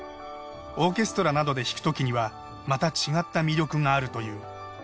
オーケストラなどで弾くときにはまた違った魅力があるという。